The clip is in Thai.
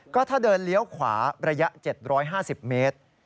ก็ถ้าเดินเลี้ยวขวาระยะ๗๕๐เมตร